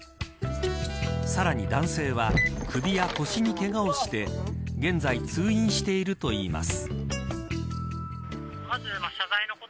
さらに男性は首や腰にけがをして現在、通院しているといいます。